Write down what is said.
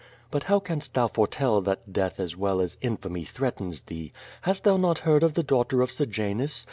But how canst thou foretell that death as well as infamy threatens thee? Hast thou not heard of the daughter of Sejanus.